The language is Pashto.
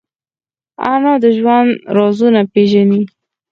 انا د ژوند رازونه پېژني